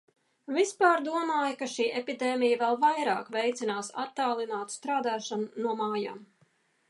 Vispār, domāju, ka šī epidēmija vēl vairāk veicinās attālinātu strādāšanu no mājām.